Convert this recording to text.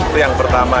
itu yang pertama